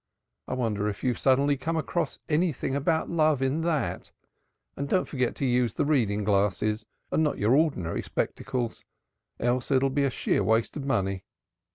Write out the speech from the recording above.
I wonder if you've suddenly come across anything about love in that, and don't forget to use the reading glasses and not your ordinary spectacles, else it'll be a sheer waste of money.